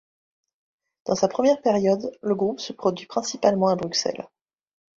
Dans sa première période, le groupe se produit principalement à Bruxelles.